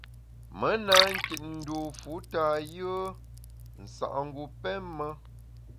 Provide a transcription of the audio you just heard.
Me na nkit dû fu tâ yùe nsa’ngu pém me.